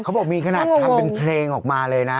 เขาบอกมีขนาดทำเป็นเพลงออกมาเลยนะ